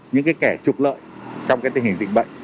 những kẻ trục lợi trong tình hình dịch bệnh